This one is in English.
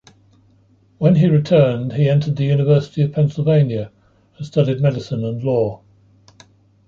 When he returned he entered the University of Pennsylvania and studied medicine and law.